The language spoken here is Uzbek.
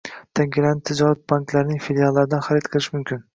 Tangalarni tijorat banklarining filiallaridan xarid qilish mumkin